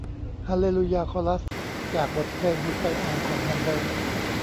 ฮาลเลลูยาคอรัสจากบทเพลงมีไซอาห์ของแฮนเดิล